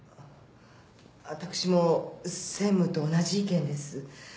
私も専務と同じ意見です。